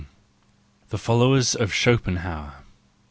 The Followers of Schopenhauer